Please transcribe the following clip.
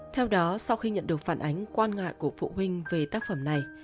theo đó sau khi nhận được phản ánh quan ngại của phụ huynh về tác phẩm này